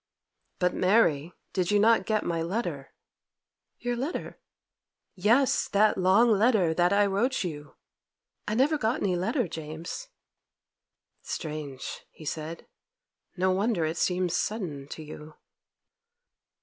'But, Mary, did you not get my letter?' 'Your letter!' 'Yes! that long letter that I wrote you.' 'I never got any letter, James.' 'Strange,' he said; 'no wonder it seems sudden to you.